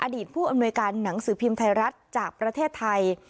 ผู้อำนวยการหนังสือพิมพ์ไทยรัฐจากประเทศไทย